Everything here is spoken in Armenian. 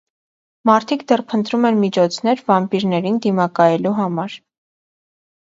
Մարդիկ դեռ փնտրում են միջոցներ՝ վամպիրներին դիմակայելու համար։